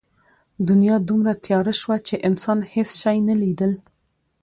دنیا دومره تیاره شوه چې انسان هېڅ شی نه لیدل.